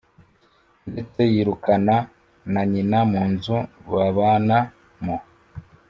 Ndetse yirukana nanyina munzu babana mo